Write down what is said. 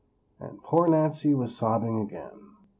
and poor Nancy was sobbing again.